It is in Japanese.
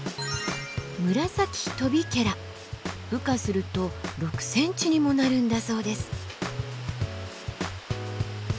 羽化すると６ｃｍにもなるんだそうです。